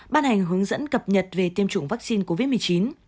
ban hành hướng dẫn cập nhật về tiêm chủng vaccine covid một mươi chín